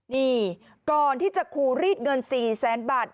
นี่ก่อนที่จะคูรีดเงิน๔แสนบาท